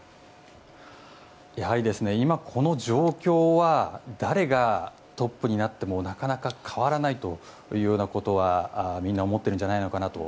やはり今のこの状況は誰がトップになってもなかなか変わらないということはみんな思ってるんじゃないかなと。